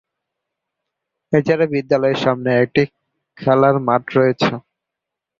এছাড়াও বিদ্যালয়ের সামনে একটি খেলার মাঠ রয়েছে।